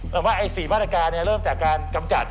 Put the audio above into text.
เราว่าไอ้๔มาตรการเนี่ยเริ่มจากการกำจัด